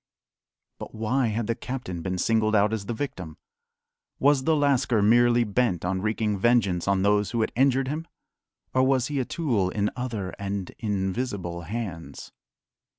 But why had the captain been singled out as the victim? Was the lascar merely bent on wreaking vengeance on those who had injured him? Or was he a tool in other and invisible hands?